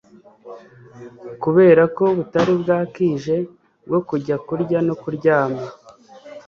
kuberako butari bwakije bwo kujya kurya no kuryama.